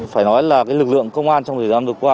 phải nói là lực lượng công an trong thời gian vừa qua